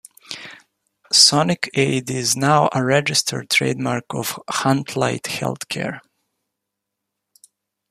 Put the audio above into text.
Sonicaid is now a registered trademark of Huntleigh Healthcare.